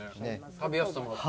食べやすさもあって。